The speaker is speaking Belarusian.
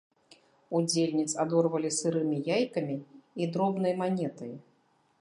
Удзельніц адорвалі сырымі яйкамі і дробнай манетай.